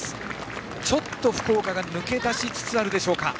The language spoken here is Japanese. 福岡が抜け出しつつあるでしょうか。